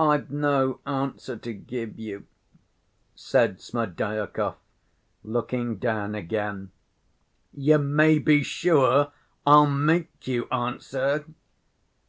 "I've no answer to give you," said Smerdyakov, looking down again. "You may be sure I'll make you answer!"